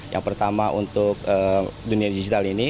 yang pertama untuk dunia digital ini